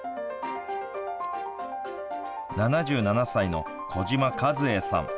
７７歳の小島和栄さん。